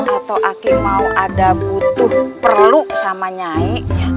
atau aki mau ada butuh perlu sama nyai